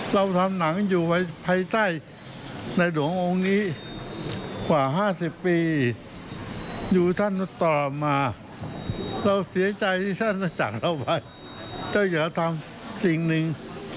เจ้าเหยียวทำสิ่งหนึ่ง